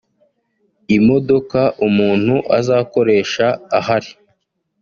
imodoka umuntu azakoresha ahari